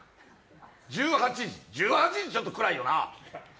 １８時、１８時ちょっと暗いよな。